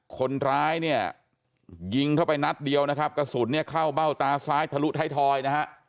คนร้ายเนี่ยยิงเข้าไปนัดเดียวนะครับกระสุนเนี่ยเข้าเบ้าตาซ้ายทะลุท้ายทอยนะฮะ